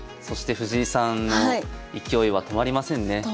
そして藤井さんの勢いは止まりませんね。